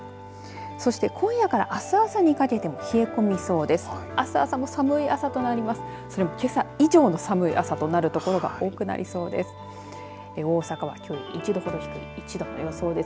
そして今夜からあす朝にかけても冷え込みそうです。